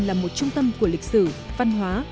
là một trung tâm của lịch sử văn hóa